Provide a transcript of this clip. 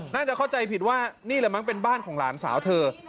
น่าจะเข้าใจผิดว่านี่แหละมั้งเป็นบ้านของหลานสาวเธอ